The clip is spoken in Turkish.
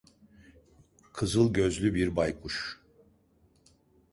Kızıl gözlü bir baykuş.